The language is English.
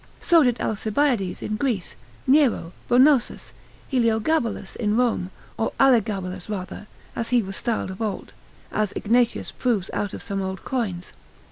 So did Alcibiades in Greece; Nero, Bonosus, Heliogabalus in Rome, or Alegabalus rather, as he was styled of old (as Ignatius proves out of some old coins).